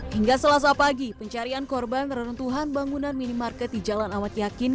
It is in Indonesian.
hingga selasa pagi pencarian korban reruntuhan bangunan minimarket di jalan amat yakin